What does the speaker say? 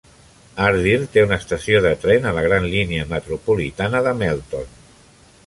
Ardeer té una estació de tren a la gran línia metropolitana de Melton.